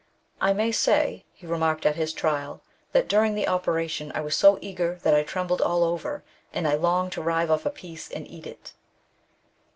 " I may say," he remarked at his trial, that daring the operation I was so eager, that I trembled all over, and I longed to rive off a piece and eat it."